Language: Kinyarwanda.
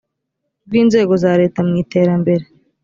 rw inzego za leta mu iterambere